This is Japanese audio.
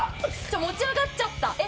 持ち上がっちゃった。